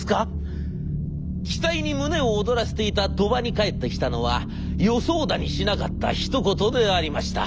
期待に胸を躍らせていた鳥羽に返ってきたのは予想だにしなかったひと言でありました。